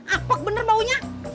apok bener baunya